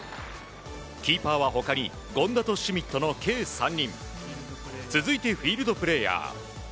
キーパーは他に権田とシュミットの計３人。続いてフィールドプレーヤー。